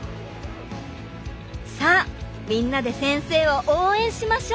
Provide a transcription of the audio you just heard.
さあみんなで先生を応援しましょう！